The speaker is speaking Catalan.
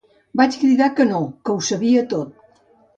Vaig cridar que no, que ho sabia tot.